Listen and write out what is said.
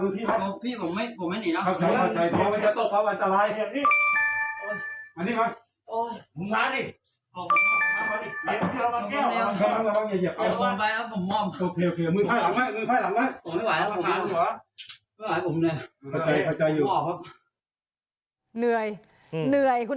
พี่ผมไม่ไหวแล้วพี่ผมไม่หนีแล้ว